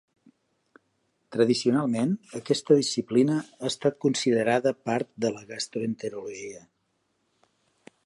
Tradicionalment aquesta disciplina ha estat considerada part de la gastroenterologia.